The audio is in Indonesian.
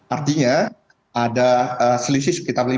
artinya ada selisih sekitar lima belas juta